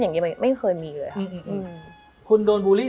มันทำให้ชีวิตผู้มันไปไม่รอด